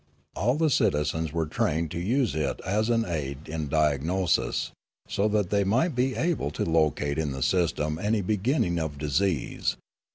All the citizens were trained to use it as an aid in diagnosis, so that they might be able to locate in the system any beginning of disease.